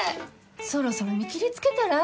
そろそろ見切りつけたら？